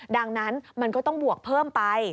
ดังนั้นมันก็ต้องบวกเพิ่มไป